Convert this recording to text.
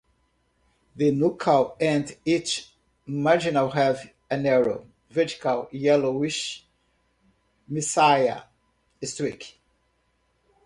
The nuchal and each marginal have a narrow, vertical yellowish mesial streak.